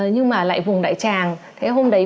nhưng mà lại vùng đại tràng thế hôm đấy